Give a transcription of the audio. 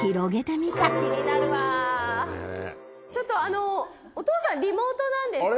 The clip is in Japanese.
ちょっとあのお父さんリモートなんですか？